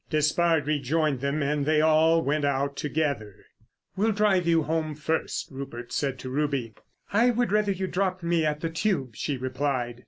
Despard rejoined them and they all went out together. "We'll drive you home first," Rupert said to Ruby. "I would rather you dropped me at the Tube," she replied.